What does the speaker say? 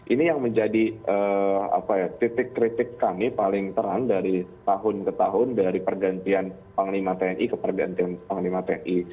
ini yang menjadi titik kritik kami paling terang dari tahun ke tahun dari pergantian panglima tni ke pergantian panglima tni